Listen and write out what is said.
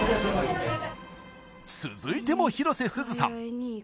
続いても広瀬すずさん